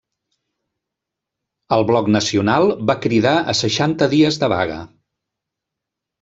El Bloc nacional va cridar a seixanta dies de vaga.